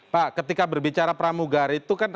pak ketika berbicara pramugari itu kan